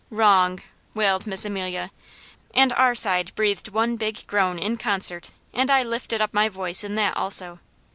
"Wrong!" wailed Miss Amelia, and our side breathed one big groan in concert, and I lifted up my voice in that also.